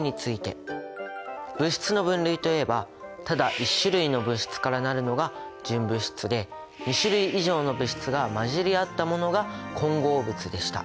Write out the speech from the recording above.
物質の分類といえばただ１種類の物質から成るのが純物質で２種類以上の物質が混じり合ったものが混合物でした。